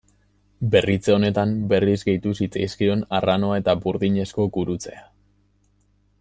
Berritze honetan, berriz gehitu zitzaizkion arranoa eta burdinezko gurutzea.